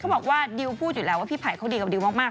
บอกว่าดิวพูดอยู่แล้วว่าพี่ไผ่เขาดีกับดิวมาก